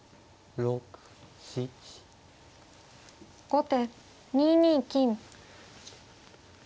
後手２二金。